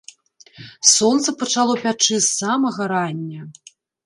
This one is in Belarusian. Сонца пачало пячы з самага рання.